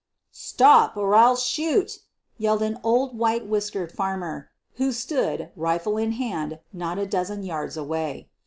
"Stop, or I'll shoot !" yelled an old white whisk ered farmer, who stood, rifle in hand, not a dozen yards away.